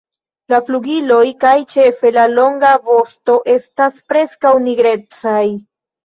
La flugiloj kaj ĉefe la longa vosto estas preskaŭ nigrecaj.